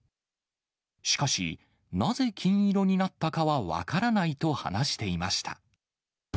しかし、なぜ金色になったかは分からないと話していました。